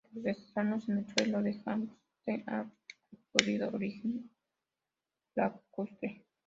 Los estratos en el suelo de Janssen han podido tener origen lacustre.